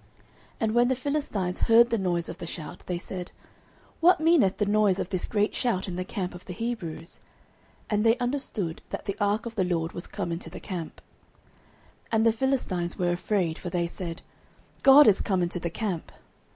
09:004:006 And when the Philistines heard the noise of the shout, they said, What meaneth the noise of this great shout in the camp of the Hebrews? And they understood that the ark of the LORD was come into the camp. 09:004:007 And the Philistines were afraid, for they said, God is come into the camp.